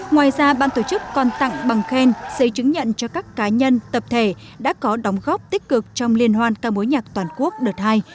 ngoài ra ban tổ chức còn tặng bằng khen giấy chứng nhận cho các cá nhân tập thể đã có đóng góp tích cực trong liên hoan ca mối nhạc toàn quốc đợt hai năm hai nghìn một mươi tám